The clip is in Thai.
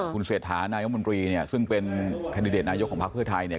คุณเศรษฐานายมนตรีเนี่ยซึ่งเป็นแคนดิเดตนายกของพักเพื่อไทยเนี่ย